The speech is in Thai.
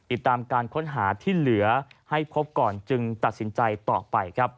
ติดตามการค้นหาที่เหลือให้พบก่อนจึงตัดสินใจต่อไปครับ